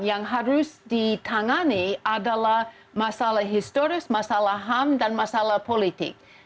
yang harus ditangani adalah masalah historis masalah ham dan masalah politik